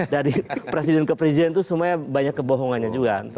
dari presiden ke presiden itu semuanya banyak kebohongannya juga